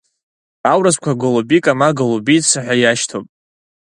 Аурысқәа голубика, ма голубица ҳәа иашьҭоуп.